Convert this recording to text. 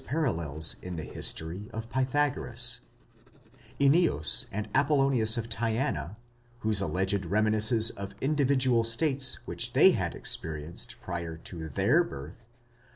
parallels in the history of Pythagoras, Ennius, and Apollonius of Tyana, whose alleged reminiscences of individual states which they had experienced prior to their birth